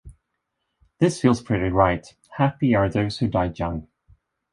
This feels pretty right: Happy are those who die young.